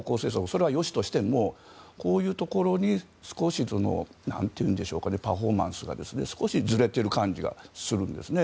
それは良しとしてもこういうところに少しパフォーマンスが少しずれている感じがしますね。